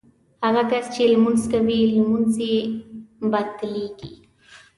هغه کس چې لمونځ کوي لمونځ یې باطلېږي.